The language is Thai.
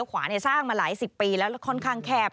ขวาสร้างมาหลายสิบปีแล้วแล้วค่อนข้างแคบ